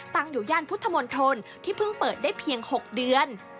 ตั้งอยู่ย่านพุทธมนตรที่เพิ่งเปิดได้เพียง๖เดือน